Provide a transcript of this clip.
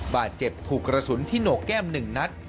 บาดเจ็บถูกกระสุนที่โหนกแก้ม๑นัด